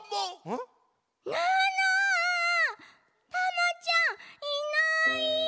タマちゃんいない！